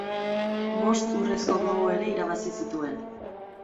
Bost Urrezko Globo ere irabazi zituen.